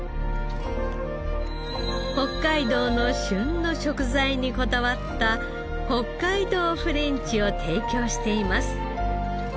北海道の旬の食材にこだわった北海道フレンチを提供しています。